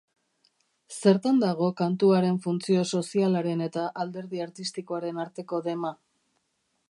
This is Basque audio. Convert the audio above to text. Zertan dago kantuaren funtzio sozialaren eta alderdi artistikoaren arteko dema?